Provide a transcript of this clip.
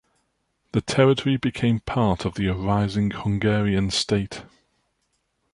The territory became part of the arising Hungarian state.